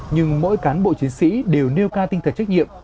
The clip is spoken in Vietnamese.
nhưng mỗi cán bộ chí sĩ đều nêu ca tinh thần trách nhiệm